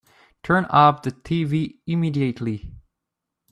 Turn off the tv immediately!